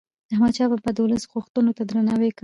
احمد شاه بابا د ولس غوښتنو ته درناوی کاوه.